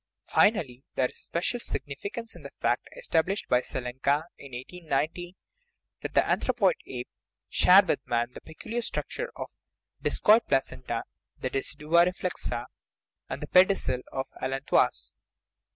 Finally, there is a special significance in the fact, established by Selenka in 1890, that the anthropoid apes share with man the peculiar structure of the discoid placenta, the decidua reflexa, and the pedicle of the allantois.